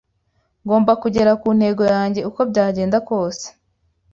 Ngomba kugera ku ntego yanjye uko byagenda kose